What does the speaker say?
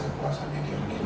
tinggal rasa puasannya dia